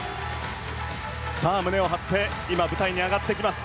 さあ、胸を張って今、舞台に上がってきます。